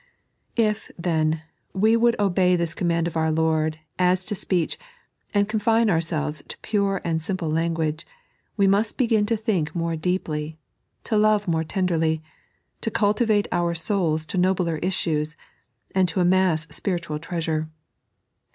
If, then, we would obey this command of our Lord as to speech, and confine ourselves to pure and simple language, we must begin to think more deeply, to love more tenderly, to cultivate our souls to nobler issues, and to amass spiritual treasure.